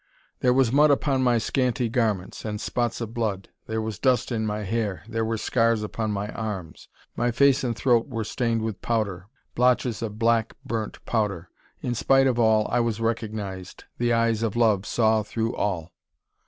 There was mud upon my scanty garments, and spots of blood; there was dust on my hair; there were scars upon my arms; my face and throat were stained with powder, blotches of black, burnt powder: in spite of all, I was recognised. The eyes of love saw through all!